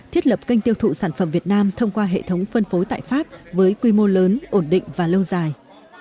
thiết lập kênh tiêu thụ sản phẩm việt nam thông qua hệ thống phân phối tại pháp với quy mô lớn ổn định và lâu dài